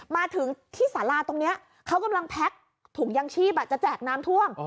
มาถึงที่สาราตรงนี้เขากำลังแพ็กถุงยางชีพจะแจกน้ำท่วม